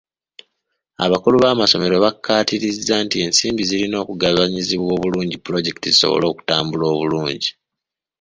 Abakulu b'amasomero bakkaatiriza nti ensimbi zirina okugabanyizibwa obulungi pulojekiti zisobole okutambula obulingi.